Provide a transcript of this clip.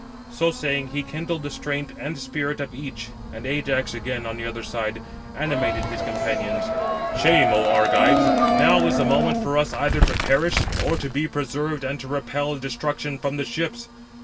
So saying, he kindled the strength and spirit of each: and Ajax again, on the other side, animated his companions: "Shame, oh Argives! now is the moment for us either to perish, or to be preserved and to repel destruction from the ships.